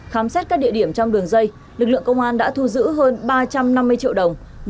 khám xét các địa điểm trong đường dây lực lượng công an đã thu giữ hơn ba trăm năm mươi triệu đồng